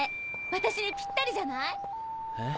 私にぴったりじゃない？えっ？